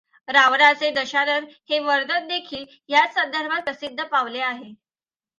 रावणाचे दशानन हे वर्णनदेखील ह्याच संदर्भात प्रसिद्ध पावले आहे.